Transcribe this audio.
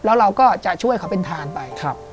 แล้วเราก็จะช่วยเขาเป็นทานไป